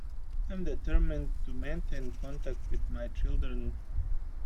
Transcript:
I am determined to maintain contact with my children.